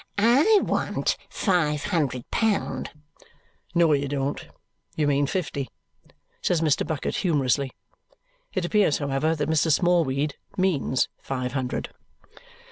"I want five hundred pound." "No, you don't; you mean fifty," says Mr. Bucket humorously. It appears, however, that Mr. Smallweed means five hundred.